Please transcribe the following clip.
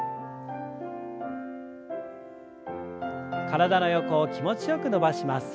体の横を気持ちよく伸ばします。